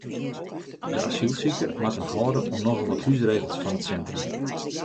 De asylsiker moat him hâlde oan nochal wat húsregels fan it sintrum.